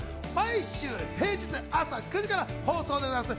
毎週平日朝９時から放送でございます。